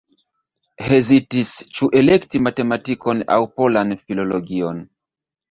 Hezitis ĉu elekti matematikon aŭ polan filologion.